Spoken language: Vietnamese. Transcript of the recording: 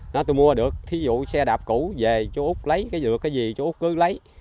nó tôi mua được ví dụ xe đạp cũ về chú út lấy cái gì chú út cứ lấy